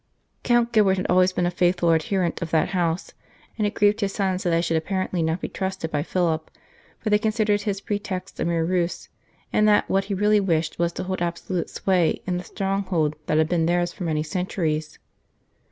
Count Gilbert had always been a faithful adherent of that house, and it grieved his sons that they should apparently not be trusted by Philip ; for they considered his pre text a mere ruse, and that what he really wished was to hold absolute sway in the stronghold that had been theirs for many centuries.